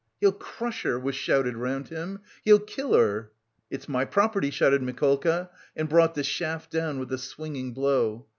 "He'll crush her," was shouted round him. "He'll kill her!" "It's my property," shouted Mikolka and brought the shaft down with a swinging blow.